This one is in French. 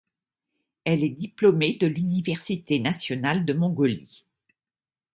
Elle est diplômée de l'Université nationale de Mongolie.